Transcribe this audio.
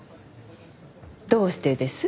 どうしてです？